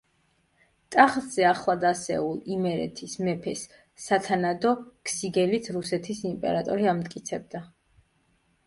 ტახტზე ახლად ასეულ იმერეთის მეფეს სათანადო სიგელით რუსეთის იმპერატორი ამტკიცებდა.